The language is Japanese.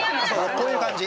こういう感じ。